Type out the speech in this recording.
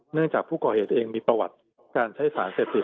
จากผู้ก่อเหตุเองมีประวัติการใช้สารเสพติด